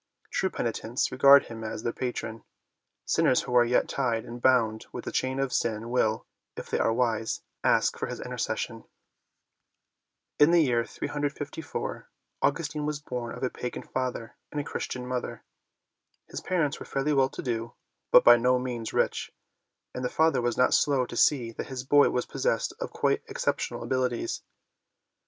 True penitents regard him as their patron : sinners who are yet tied and bound with the chain of sin will, if they are wise, ask for his intercession. In the year 354 Augustine was born of a pagan father and a Christian mother. His parents were fairly well to do but by no means rich, and the father was not slow to see that his boy was possessed of quite exceptional abilities.